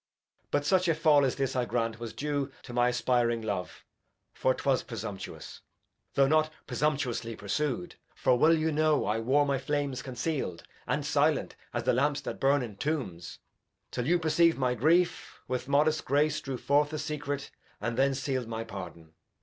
Edg. But such a Fall as this I grant was due To my aspiring Love, for 'twas presumptuous, Though not presumtuously pursu'd ; For well you know I wore my Flames conceal'd, And silent as the Lamps that burn in Tombs 'Till you perceiv'd my Grief, with modest Grace Drew forth the Secret, and then seal'd my Pardon.